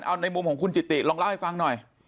เอาในมุมของคุณจิติลองเล่าให้ฟังหน่อย